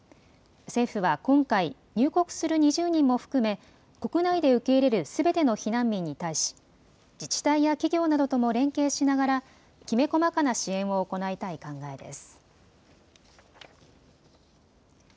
政府は今回入国する２０人も含め国内で受け入れるすべての避難民に対し自治体や企業などとも連携しながらきめ細かな支援を行いたい考えです。